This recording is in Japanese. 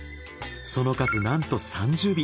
その数なんと３０尾。